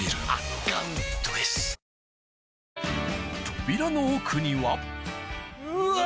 扉の奥にはうわ！